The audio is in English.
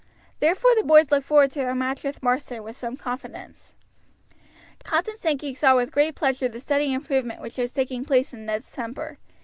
Therefore the boys looked forward to their match with Marsden with some confidence. Captain Sankey saw with great pleasure the steady improvement which was taking place in Ned's temper.